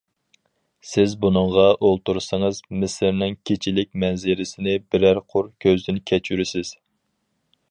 سىز بۇنىڭغا ئولتۇرسىڭىز مىسىرنىڭ كېچىلىك مەنزىرىسىنى بىرەر قۇر كۆزدىن كەچۈرىسىز.